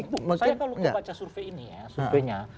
bu saya kalau membaca survei ini ya surveinya